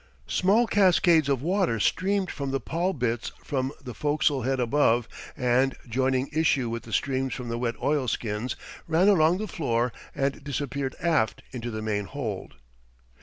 Small cascades of water streamed from the pall bits from the fo'castle head above, and, joining issue with the streams from the wet oilskins, ran along the floor and disappeared aft into the main hold.